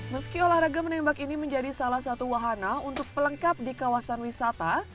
meski olahraga menembak ini menjadi salah satu wahana untuk pelengkap di kawasan wisata